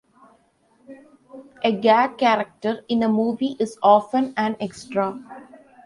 A "gag" character in a movie is often an extra.